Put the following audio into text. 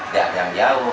tidak ada yang jauh